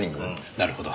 なるほど。